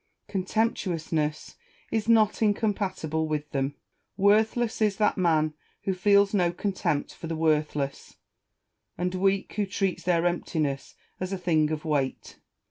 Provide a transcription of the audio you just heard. Contemptuousness is not incompatible with tliem : worth less is that man who feels no contempt for the worthless, and weak who treats their emptiness as a thing of weight.